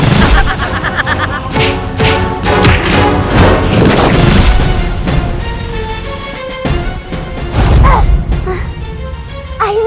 kalian harus diberi pelajaran